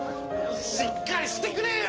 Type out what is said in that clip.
・しっかりしてくれよ！